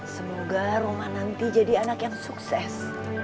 semoga roma nanti jadi anak yang sukses